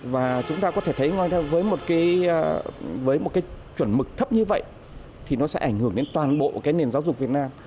và chúng ta có thể thấy với một cái chuẩn mực thấp như vậy thì nó sẽ ảnh hưởng đến toàn bộ cái nền giáo dục việt nam